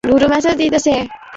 Jesus Christ আমি দুঃখিত ভাই।